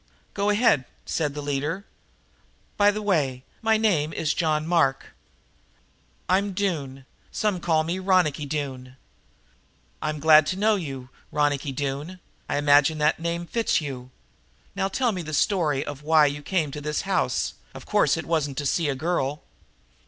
"Go ahead," said the leader. "By the way, my name is John Mark." "I'm Doone some call me Ronicky Doone." "I'm glad to know you, Ronicky Doone. I imagine that name fits you. Now tell me the story of why you came to this house; of course it wasn't to see a girl!"